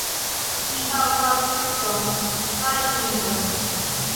Ĝi havas fuston kaj pinton.